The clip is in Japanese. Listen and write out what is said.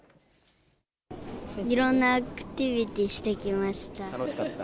いろんなアクティビティーし楽しかった？